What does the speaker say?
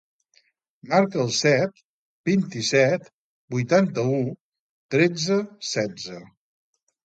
Marca el set, vint-i-set, vuitanta-u, tretze, setze.